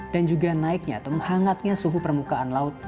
dan juga naiknya atau menghangatnya suhu permukaan laut